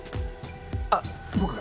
あっ僕が。